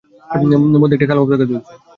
মধ্যে একটি কাল পতাকা দুলছে।